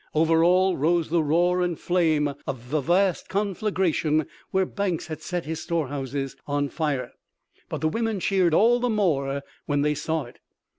Over all rose the roar and flame of a vast conflagration where Banks had set his storehouses on fire, but the women cheered all the more when they saw it.